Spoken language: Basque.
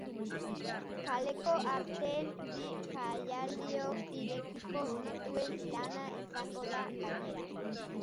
Kaleko arteen bi jaialdiok irekiko dituen lana izango da, gainera.